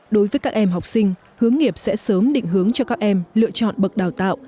đối với các em học sinh hướng nghiệp sẽ sớm định hướng cho các em lựa chọn bậc đào tạo